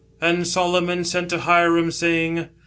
And Solomon sent to Hiram, saying